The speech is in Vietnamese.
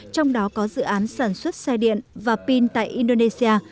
trong đó có dự án sản xuất xe điện và pin tại indonesia